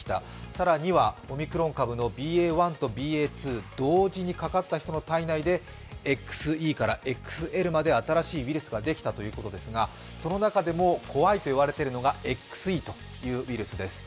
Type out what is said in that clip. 更にはオミクロン株のＢＡ．１とＢＡ．２、同時にかかった人の体内でＸＥからＸＬまで新しいウイルスができたということですがその中でも怖いと言われているのがＸＥというウイルスです。